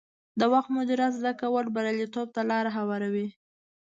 د وخت مدیریت زده کول بریالیتوب ته لار هواروي.